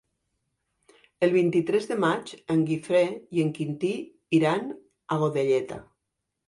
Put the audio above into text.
El vint-i-tres de maig en Guifré i en Quintí iran a Godelleta.